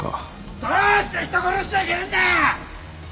どうして人殺しちゃいけねえんだよ！